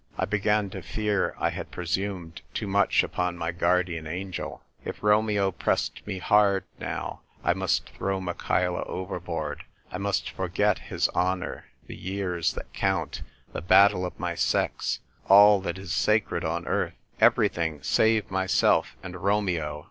I began to fear I had presumed too much upon my guardian angel. If Romeo pressed me hard now, I must throw Michaela over board — I must forget his honour, the years that count, the battle of my sex, all that is sacred on earth, everything save myself and Romeo.